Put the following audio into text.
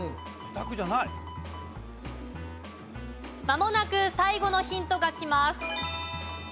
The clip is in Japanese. まもなく最後のヒントがきます。